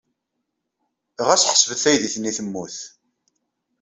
Ɣas ḥsebet taydit-nni temmut.